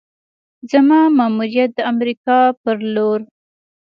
زما ماموریت د امریکا پر لور: